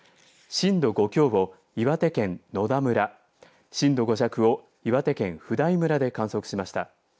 震度５強を岩手県野田村震度５弱を岩手県普代村で観測しました。